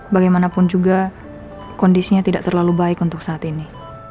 bagaimanapun juga kondisinya tidak terlalu baik untuk saat ini